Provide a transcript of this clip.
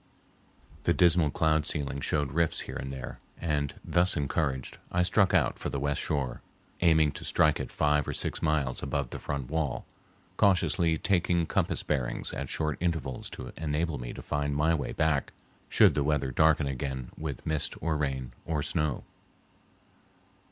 The dismal cloud ceiling showed rifts here and there, and, thus encouraged, I struck out for the west shore, aiming to strike it five or six miles above the front wall, cautiously taking compass bearings at short intervals to enable me to find my way back should the weather darken again with mist or rain or snow.